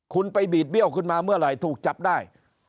คุณไปบีดเบี้ยวขึ้นมาเมื่อไหร่ถูกจับได้